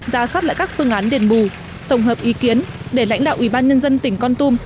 ra soát lại các phương án đền bù tổng hợp ý kiến để lãnh đạo ủy ban nhân dân tỉnh con tum